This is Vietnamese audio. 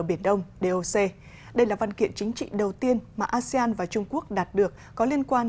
biển đông doc đây là văn kiện chính trị đầu tiên mà asean và trung quốc đạt được có liên quan